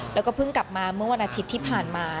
แล้วก็เพิ่งกลับมาเมื่อวันอาทิตย์ที่ผ่านมา